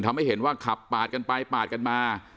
ทำให้เห็นว่าขับปาดกันไปปาดกันมา